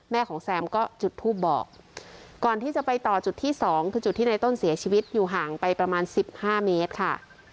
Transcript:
แม่ของแซมก็จุดทูบบอกก่อนที่จะไปต่อจุดที่๒คือจุดที่ในต้นเสียชีวิตอยู่ห่างไปประมาณ๑๕เมตรค่ะ